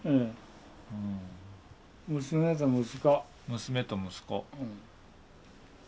娘と息子。